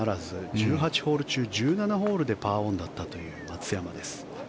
１８ホール中１７ホールでパーオンだったという松山です。